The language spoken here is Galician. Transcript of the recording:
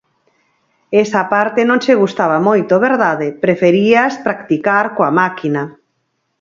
Esa parte non che gustaba moito, verdade, preferías practicar coa máquina.